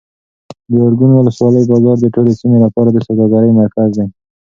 د ارګون ولسوالۍ بازار د ټولې سیمې لپاره د سوداګرۍ مرکز دی.